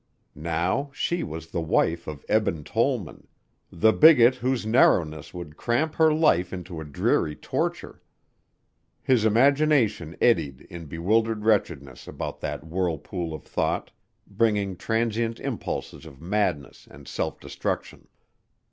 Now she was the wife of Eben Tollman, the bigot whose narrowness would cramp her life into a dreary torture. His imagination eddied in bewildered wretchedness about that whirlpool of thought, bringing transient impulses of madness and self destruction.